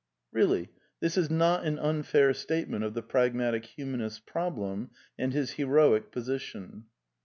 Beally, this is not an unfair statement of the pragmatic humanist's problem and his heroic position.